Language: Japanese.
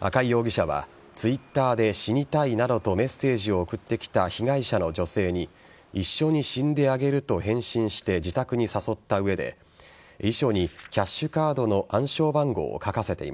赤井容疑者はＴｗｉｔｔｅｒで死にたいなどとメッセージを送ってきた被害者の女性に一緒に死んであげると返信して自宅に誘った上で遺書にキャッシュカードの暗証番号をさて！